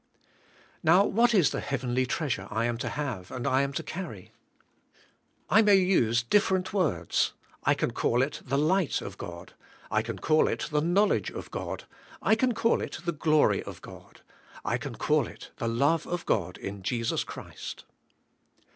Now what is the heavenly treasure I am to have and I am to carry? I may use different words. I can call it the light of God. I can call it the knowl edge of God. I can call it the glory of God. I can call it the love of God in Jesus Christ.